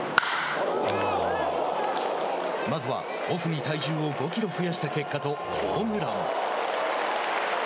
まずはオフに体重を５キロ増やした結果とホームラン。